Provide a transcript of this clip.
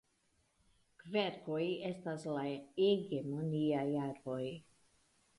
Kverkoj estas la hegemoniaj arboj.